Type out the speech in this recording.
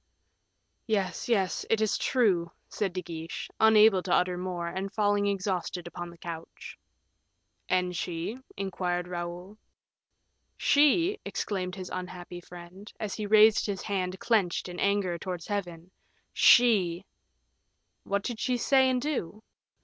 "Yes, yes, it is true," said De Guiche, unable to utter more, and falling exhausted upon the couch. "And she?" inquired Raoul. "She," exclaimed his unhappy friend, as he raised his hand clenched in anger, towards Heaven. "She! " "What did she say and do?"